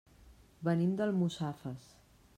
Venim d'Almussafes.